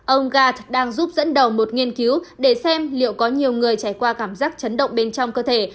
ông gat đang giúp dẫn đầu một nghiên cứu để xem liệu có nhiều người trải qua cảm giác chấn động bên trong cơ thể